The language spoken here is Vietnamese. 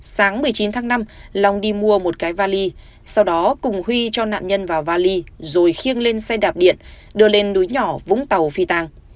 sáng một mươi chín tháng năm long đi mua một cái vali sau đó cùng huy cho nạn nhân vào vali rồi khiêng lên xe đạp điện đưa lên núi nhỏ vũng tàu phi tàng